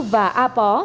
và a pó